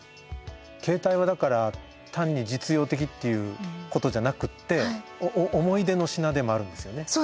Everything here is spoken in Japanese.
携帯はだから単に実用的っていうことじゃなくって思い出の品でもあるんですよね。